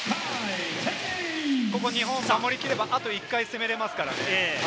ここ日本守り切れば、あと１回攻めれますからね。